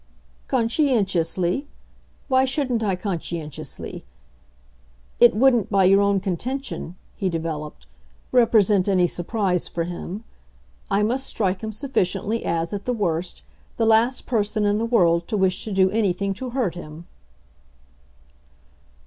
"'Conscientiously?' Why shouldn't I conscientiously? It wouldn't, by your own contention," he developed, "represent any surprise for him. I must strike him sufficiently as, at the worst, the last person in the world to wish to do anything to hurt him."